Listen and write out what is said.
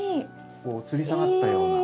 こうつり下がったような。